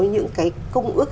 những cái công ước